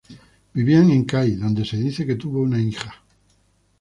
Vivían en Kai, donde se dice que tuvo una hija.